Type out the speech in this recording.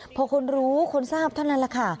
พอคนรู้คนทราบเท่านั้นแหละค่ะ